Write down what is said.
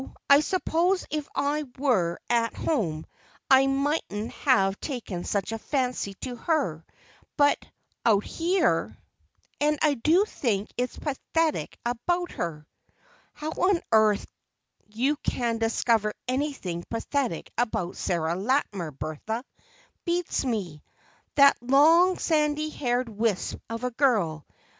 I suppose if I were at home I mightn't have taken such a fancy to her, but out here—! and I do think it's pathetic about her." "How on earth you can discover anything pathetic about Sarah Latimer, Bertha, beats me. That long, sandy haired wisp of a girl!